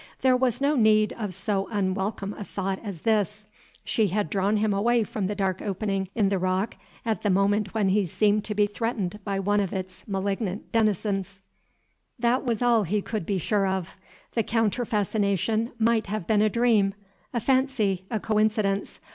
There was no need of so unwelcome a thought as this; she had drawn him away from the dark opening in the rock at the moment when he seemed to be threatened by one of its malignant denizens; that was all he could be sure of; the counter fascination might have been a dream, a fancy, a coincidence.